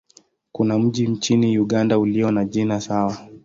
Kuna mji nchini Uganda ulio na jina sawa.